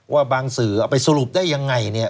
ว่าบางสื่อเอาไปสรุปได้อย่างไร